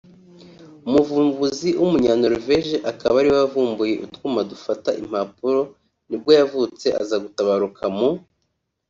umuvumbuzi w’umunyanorvege akaba ariwe wavumbuye utwuma dufata impapuro nibwo yavutse aza gutabaruka mu